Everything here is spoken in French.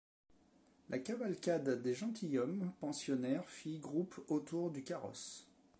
La cavalcade des gentilshommes pensionnaires fit groupe autour du carrosse.